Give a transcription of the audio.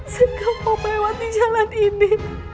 saya gak mau melewati jalan ini